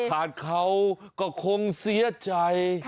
เขาก็คงเสียใจ